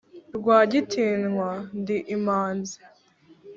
rwagitinywa ndi imanzi,